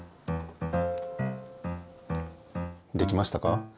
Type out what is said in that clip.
できましたか？